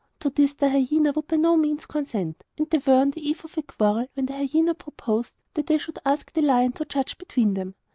To this the hyena would by no means consent, and they were on the eve of a quarrel when the hyena proposed that they should ask the lion to judge between them.